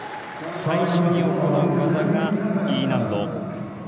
最初に行う技がＥ難度。